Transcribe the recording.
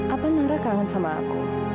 apa nara kangen sama aku